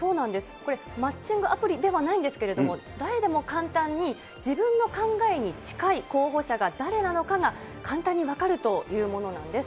これ、マッチングアプリではないんですけれども、誰でも簡単に自分の考えに近い候補者が誰なのかが簡単に分かるというものなんです。